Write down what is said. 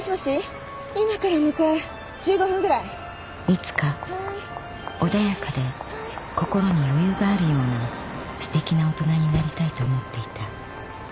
［いつか穏やかで心に余裕があるようなすてきな大人になりたいと思っていた］